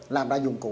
làm ra dụng cụ